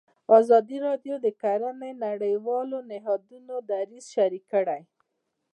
ازادي راډیو د کرهنه د نړیوالو نهادونو دریځ شریک کړی.